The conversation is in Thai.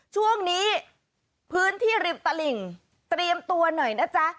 ช่วงนี้พื้นที่ริมตลิ่งเตรียมตัวหน่อยนะจ๊ะ